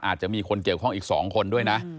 อาจจะมีคนเกี่ยวข้องอีก๒คนด้วยนะ